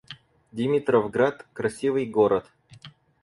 Димитровград — красивый город